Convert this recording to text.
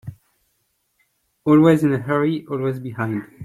Always in a hurry, always behind.